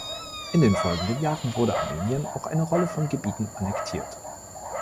In den folgenden Jahren wurde Armenien auch eine Reihe von Gebieten annektiert.